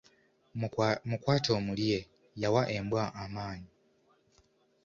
Mukwate omulye, y’awa embwa amaanyi.